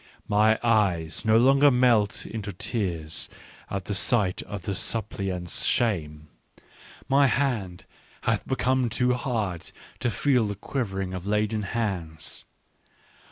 "Mine eyes no longer melt into tears at the sight of the suppliant's shame ; my hand hath be come too hard to feel the quivering of laden hands.